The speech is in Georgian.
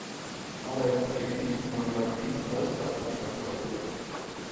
არაერთი წიგნის, მონოგრაფიის და სტატიის ავტორია.